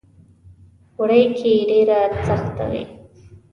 اوړي کې ډېره سخته وي.